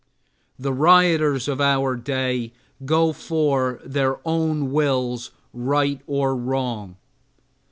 The rioters of our day go for their own wills, right or wrong.